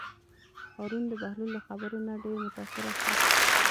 هارون د بهلول له خبرو نه ډېر متأثره شو.